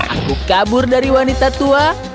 aku kabur dari wanita tua